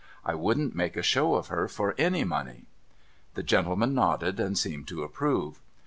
I wouldn't make a show of her for any money.' The gentleman nodded, and seemed to approve.